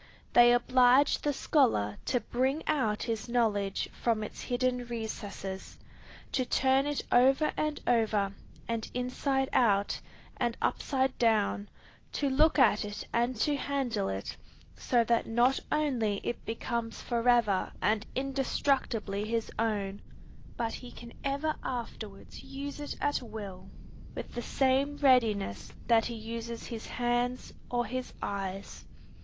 They oblige the scholar to bring out his knowledge from its hidden recesses, to turn it over and over, and inside out, and upside down, to look at it and to handle it, so that not only it becomes forever and indestructibly his own, but he can ever afterwards use it at will with the same readiness that he uses his hands or his eyes.